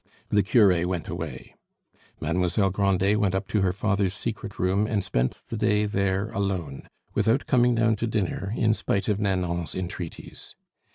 The cure went away; Mademoiselle Grandet went up to her father's secret room and spent the day there alone, without coming down to dinner, in spite of Nanon's entreaties.